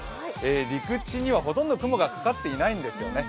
陸地にはほとんど雲がかかっていないんですよね。